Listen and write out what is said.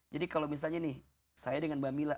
jadi kalau misalnya nih saya dengan mba mila